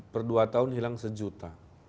per dua tahun hilang sejuta